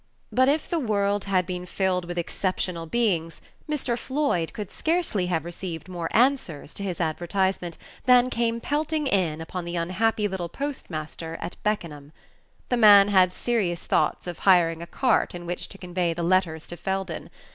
But if the world had been filled with exceptional beings, Mr. Floyd could scarcely have received more answers to his advertisement than came pelting in upon the unhappy little postmaster at Beckenham. The man had serious thoughts of hiring a cart in which to convey the letters to Felden.